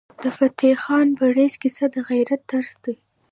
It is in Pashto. د فتح خان بړیڅ کیسه د غیرت درس دی.